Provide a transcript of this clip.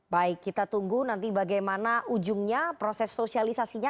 baik kita tunggu nanti bagaimana ujungnya proses sosialisasinya